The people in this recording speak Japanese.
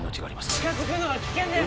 近づくのは危険です！